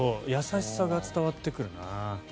優しさが伝わってくるな。